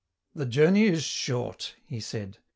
" The journey is short," he said.